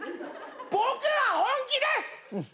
僕は本気です！